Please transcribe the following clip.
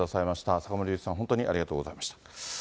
坂本龍一さん、本当にありがとうございました。